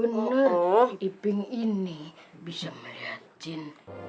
bener bener iping ini bisa melihat jin